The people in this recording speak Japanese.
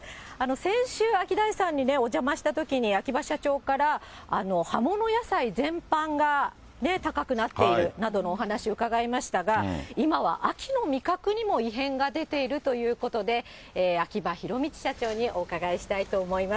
先週、アキダイさんにお邪魔したときに、秋葉社長から、葉物野菜全般が高くなっているなどのお話伺いましたが、今は秋の味覚にも異変が出ているということで、秋葉弘道社長にお伺いしたいと思います。